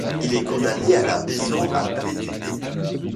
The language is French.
Il est condamné à la prison à perpétuité.